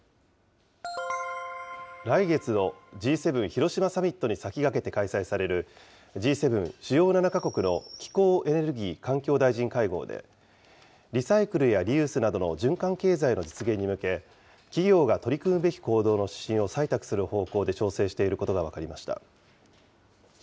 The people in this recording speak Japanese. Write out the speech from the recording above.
来月のＧ７広島サミットに先駆けて開催される、Ｇ７・主要７か国の気候・エネルギー・環境大臣会合で、リサイクルやリユースなどの循環経済の実現に向け、企業が取り組むべき行動の指針を採択する方向で調整していることが分かりました。